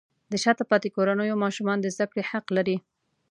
د شاته پاتې کورنیو ماشومان د زده کړې حق لري.